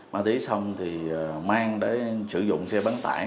ma túy xong thì mang để sử dụng xe bán tải